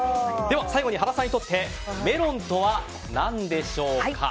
最後に原さんにとってメロンとは何でしょうか？